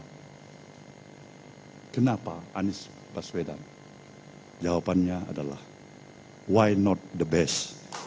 hai kenapa anies baswedan jawabannya adalah why not the best